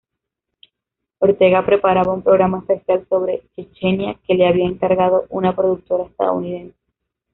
Ortega preparaba un programa especial sobre Chechenia que le había encargado una productora estadounidense.